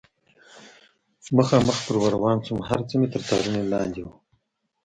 مخامخ پرې ور روان شوم، هر څه مې تر څارنې لاندې و.